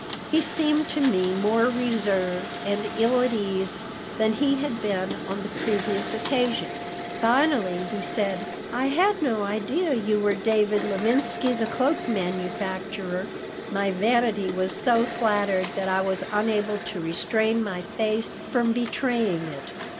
He seemed to me more reserved and ill at ease than he had been on the previous occasion. Finally he said, "I had no idea you were David Levinsky, the cloak manufacturer." My vanity was so flattered that I was unable to restrain my face from betraying it.